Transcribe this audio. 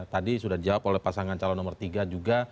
tadi sudah dijawab oleh pasangan calon nomor tiga juga